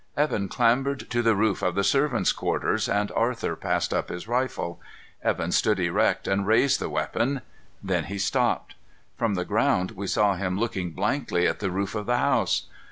Evan clambered to the roof of the servants' quarters, and Arthur passed up his rifle. Evan stood erect and raised the weapon. Then he stopped. From the ground, we saw him looking blankly at the roof of the house.